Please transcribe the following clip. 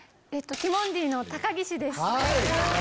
ティモンディの高岸です。